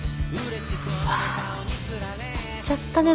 うわやっちゃったね